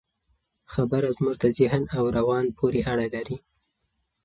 خبره زموږ د ذهن او روان پورې اړه لري.